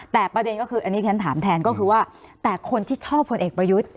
แต่ประเด็นก็คืออันนี้ฉันถามแทนก็คือว่าแต่คนที่ชอบผลเอกประยุทธ์